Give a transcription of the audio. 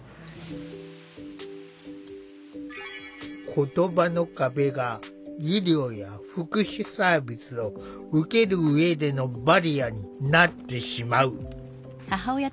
言葉の壁が医療や福祉サービスを受ける上でのバリアになってしまう。